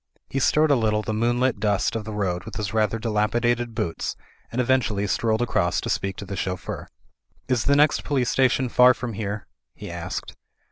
He stirred a little the moonlit dust of the road with his rather dilapidated boots and eventually strolled across to speak to the chauffeur. "Is the next police station far from here?" he asked.